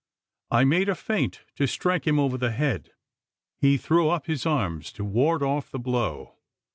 I made a feint to strike him over the head. He threw up his arms to ward off the blow.